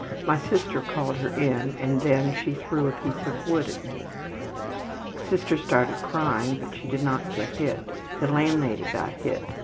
My sister called her in and then she threw a piece of wood after me. Sister started crying, but she did not get hit. The landlady got hit.